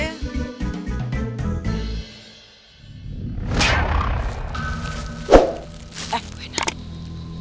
eh bu ranti